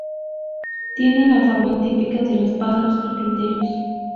Tiene la forma típica de los pájaros carpinteros.